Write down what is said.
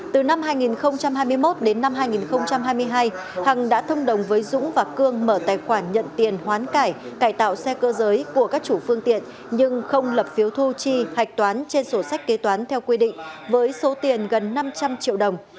từ năm hai nghìn hai mươi một đến năm hai nghìn hai mươi hai hằng đã thông đồng với dũng và cương mở tài khoản nhận tiền hoán cải tạo xe cơ giới của các chủ phương tiện nhưng không lập phiếu thu chi hạch toán trên sổ sách kế toán theo quy định với số tiền gần năm trăm linh triệu đồng